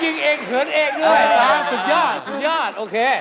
ยิ่งเอกเหินเอกด้วยสุดยอดโอเค